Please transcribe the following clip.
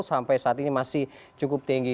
sampai saat ini masih cukup tinggi